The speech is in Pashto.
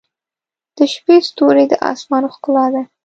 • د شپې ستوري د آسمان ښکلا ده.